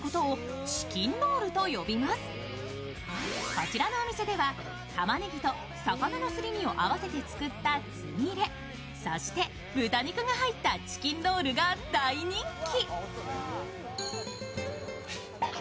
こちらのお店ではたまねぎと魚のすり身を合わせて作ったつみれ、そして豚肉が入ったチキンロールが大人気。